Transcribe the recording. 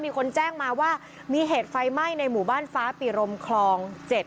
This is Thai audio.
มีคนแจ้งมาว่ามีเหตุไฟไหม้ในหมู่บ้านฟ้าปีรมคลอง๗